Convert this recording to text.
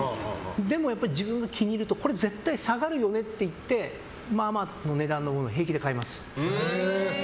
でも自分が気に入るとこれ絶対下がるよねってまあまあの値段のものを平気で買います。